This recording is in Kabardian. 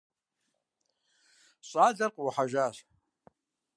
Щӏалэр къыӏухьэжащ.